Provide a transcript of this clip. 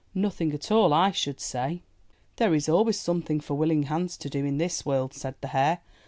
''Nothing at all, I should say.'' "There is always some thing for willing hands to do in this world," said the hare.